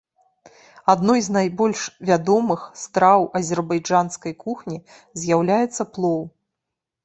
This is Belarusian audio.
Адной з найбольш вядомых страў азербайджанскай кухні з'яўляецца плоў.